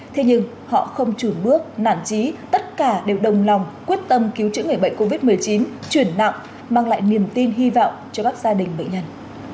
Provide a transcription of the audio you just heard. thế nhưng họ không chửi bước nản trí tất cả đều đồng lòng quyết tâm cứu chữa người bệnh covid một mươi chín chuyển nặng mang lại niềm tin hy vọng cho các gia đình bệnh nhân